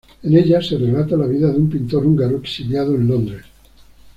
En ella se relata la vida de un pintor húngaro exiliado en Londres.